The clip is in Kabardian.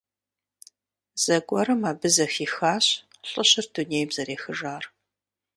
Зэгуэрым абы зэхихащ лӀыжьыр дунейм зэрехыжар.